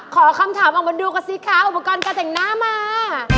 ขอคำถามออกมาดูกันสิคะอุปกรณ์การแต่งหน้ามา